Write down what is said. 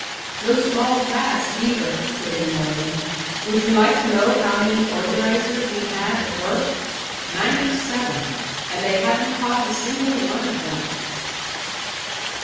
"No small task, either," put in Moylan. "Would you like to know how many organisers we have at work? Ninety seven. And they haven't caught a single one of them!"